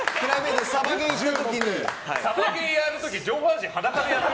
サバゲーやる時上半身裸なの？